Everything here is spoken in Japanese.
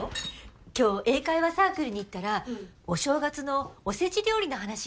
今日英会話サークルに行ったらお正月のおせち料理の話になって。